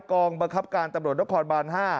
กองบังคับการตำรวจนครบาน๕